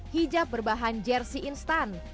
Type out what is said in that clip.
hijab berbahan jersey instan